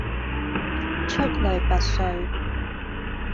拔萃出群